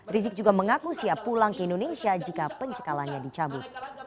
rizik juga mengaku siap pulang ke indonesia jika pencekalannya dicabut